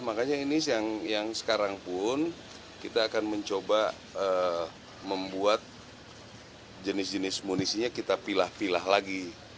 makanya ini yang sekarang pun kita akan mencoba membuat jenis jenis munisinya kita pilah pilah lagi